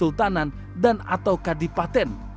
sultanan dan atau kadipaten